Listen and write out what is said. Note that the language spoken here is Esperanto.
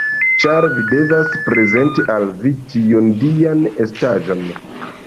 Ĉar vi devas prezenti al vi tiun dian estaĵon!